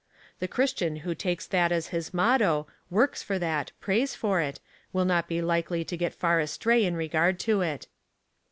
The Christian who takes that as his motto, works for that, prays for it, will not be likely to get far abtray in regard to it."